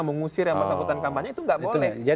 mengusir yang bersangkutan kampanye itu nggak boleh